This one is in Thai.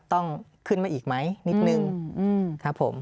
ต้องขึ้นมาอีกไหมนิดนึงครับผม